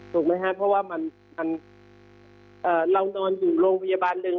ถูกไหมครับเพราะว่าเรานอนอยู่โรงพยาบาลหนึ่ง